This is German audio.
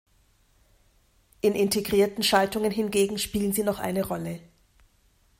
In integrierten Schaltungen hingegen spielen sie noch eine Rolle.